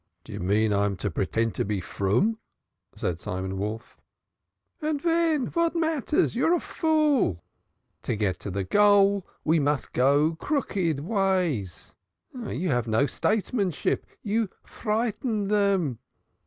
"Do you mean I'm to pretend to be froom," said Simon Wolf. "And ven? Vat mattairs? You are a fool, man. To get to de goal one muz go crooked vays. Ah, you have no stadesmanship. You frighten dem.